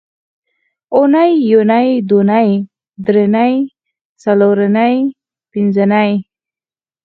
اونۍ یونۍ دونۍ درېنۍ څلورنۍ پینځنۍ